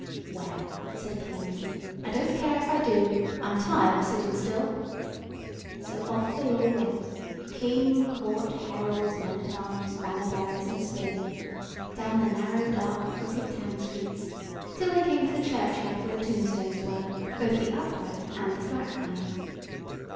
"Well," said King Anthony, "I don't care if I do. I'm tired of sitting still." So off they all went, King, Court, heralds, men at arms, banner bearers and spearmen, down the narrow, dark, crooked town streets, till they came to the churchyard where the tombstones were—both the upright and the flat kind.